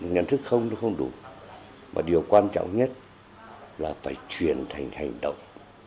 nhận thức không đủ điều quan trọng nhất là phải truyền thành hành động